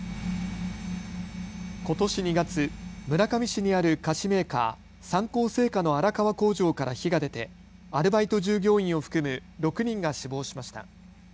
ことし２月、村上市にある菓子メーカー、三幸製菓の荒川工場から火が出てアルバイト従業員を含む６人が死亡しました。